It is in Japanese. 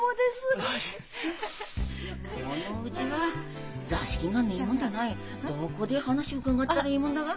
このうちは座敷がねえもんでないどこで話伺ったらええもんだか。